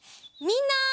みんな。